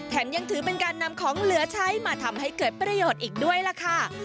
ยังถือเป็นการนำของเหลือใช้มาทำให้เกิดประโยชน์อีกด้วยล่ะค่ะ